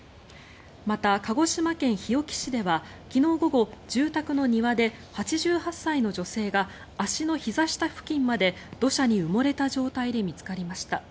また、鹿児島県日置市では昨日午後、住宅の庭で８８歳の女性が足のひざ下付近まで土砂に埋もれた状態で見つかりました。